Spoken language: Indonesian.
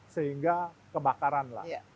sehingga kebakaran lah